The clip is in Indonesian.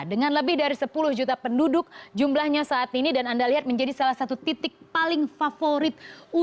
dengan lebih dari sepuluh juta penduduk jumlahnya saat ini dan anda lihat menjadi salah satu titik paling favorit